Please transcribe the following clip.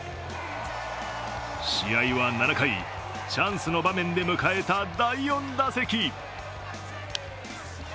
試合は７回、チャンスの場面で迎えた第４打席。